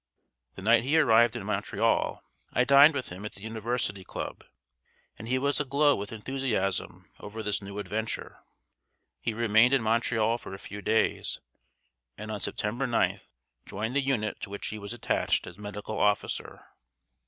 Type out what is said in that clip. The night he arrived in Montreal I dined with him at the University Club, and he was aglow with enthusiasm over this new adventure. He remained in Montreal for a few days, and on September 9th, joined the unit to which he was attached as medical officer.